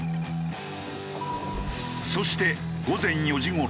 そして午前４時頃。